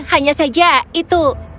hanya saja itu